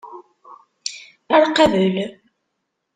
Ar qabel!